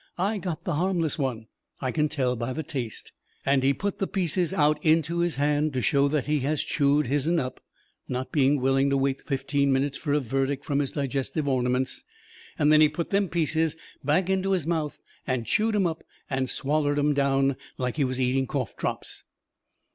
I got the harmless one. I can tell by the taste." And he put the pieces out into his hand, to show that he has chewed his'n up, not being willing to wait fifteen minutes fur a verdict from his digestive ornaments. Then he put them pieces back into his mouth and chewed 'em up and swallered 'em down like he was eating cough drops.